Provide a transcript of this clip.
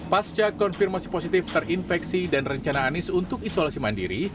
pasca konfirmasi positif terinfeksi dan rencana anies untuk isolasi mandiri